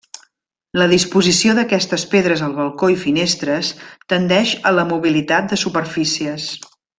La disposició d'aquestes pedres al balcó i finestres tendeix a la mobilitat de superfícies.